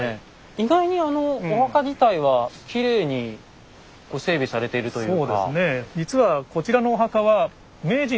意外にお墓自体はきれいに整備されているというか。